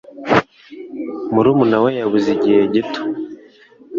Murumuna we yabuze igihe gito.